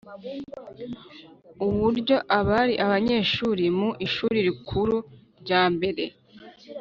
Uburyo abari abanyeshuri mu Ishuri Rikuru ryambere